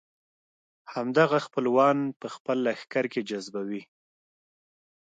همدغه خپلوان په خپل لښکر کې جذبوي.